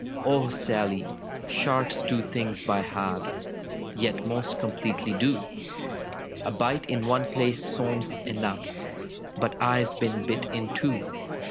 '^O Sally, sharks do things by halves. Yet most completely do! A bite in one place seems enough. But I've been bit in two.